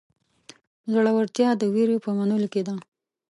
زړهورتیا د وېرې په منلو کې ده.